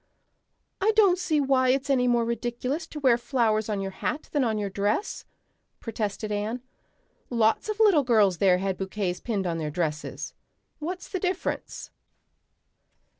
"I don't see why it's any more ridiculous to wear flowers on your hat than on your dress," protested Anne. "Lots of little girls there had bouquets pinned on their dresses. What's the difference?"